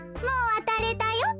もうわたれたよ。